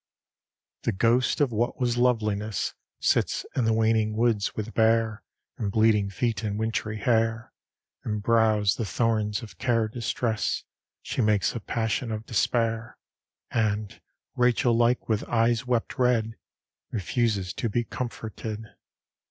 LVI The ghost of what was loveliness Sits in the waning woods, with bare And bleeding feet, and wintry hair, And brows the thorns of care distress; She makes a passion of despair And, Rachel like, with eyes wept red, Refuses to be comforted.